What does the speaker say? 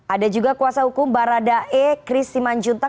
ada juga kuasa hukum barada e kris simanjuntak